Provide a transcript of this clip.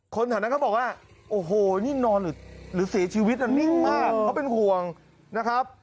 แถวนั้นเขาบอกว่าโอ้โหนี่นอนหรือเสียชีวิตน่ะนิ่งมากเขาเป็นห่วงนะครับ